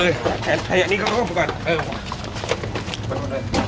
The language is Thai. เออแถมที่อันนี้เขาควบคุมก่อนเออ